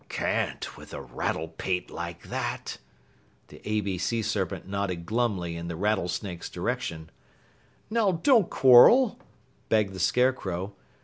"Can't, with a rattlepate like that." The A B Sea Serpent nodded glumly in the Rattlesnake's direction. "Now don't quarrel," begged the Scarecrow.